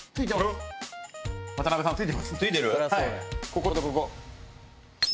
こことここ。